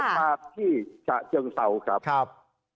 มาที่ฉะเชิงเศร้าครับ